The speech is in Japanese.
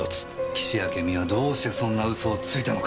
岸あけみはどうしてそんな嘘をついたのか。